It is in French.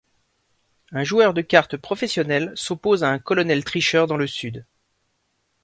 Un joueur de carte professionnel s'oppose à un colonel tricheur dans le Sud...